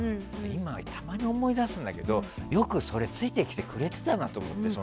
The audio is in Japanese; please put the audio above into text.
今もたまに思い出すんだけどよく、それについてきてくれてたなと。